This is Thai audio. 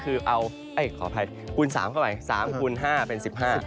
เอ๊ะขออภัยกูล๓เข้าไป๓ู๕เป็น๑๕